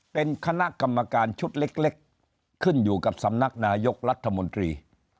เป็นคณะกรรมการชุดเล็กขึ้นอยู่กับสำนักนายกรัฐมนตรี